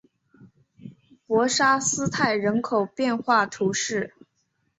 博沙斯泰人口变化图示